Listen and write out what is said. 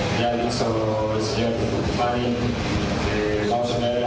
dia bisa mencari sejumlah klub di daerah